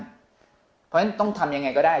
เพราะฉะนั้นต้องทำยังไงก็ได้